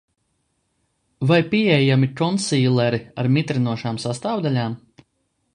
Vai pieejami konsīleri ar mitrinošām sastāvdaļām?